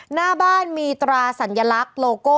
หน้าบ้านมีตราสัญลักษณ์โลโก้